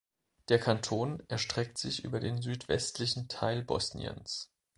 Der Kanton erstreckt sich über den südwestlichen Teil Bosniens.